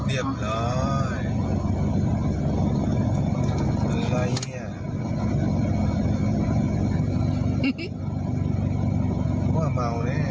อ๋อเห้ยเกิดอะไรอย่างนี้อ่ะ